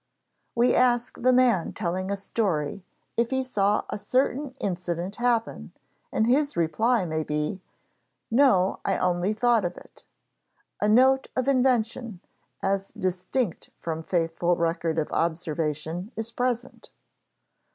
We ask the man telling a story if he saw a certain incident happen, and his reply may be, "No, I only thought of it." A note of invention, as distinct from faithful record of observation, is present.